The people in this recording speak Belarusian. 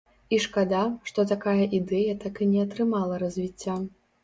І шкада, што такая ідэя так і не атрымала развіцця.